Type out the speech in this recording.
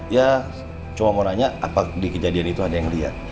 ya cuma mau nanya apa di kejadian itu ada yang lihat